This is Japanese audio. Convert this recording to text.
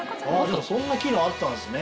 そんな機能あったんですね。